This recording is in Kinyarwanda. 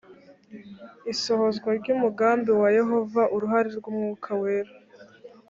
isohozwa ry umugambi wa yehova uruhare rw umwuka wera